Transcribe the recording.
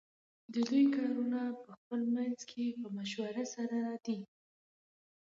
ددوی کارونه پخپل منځ کی په مشوره سره دی .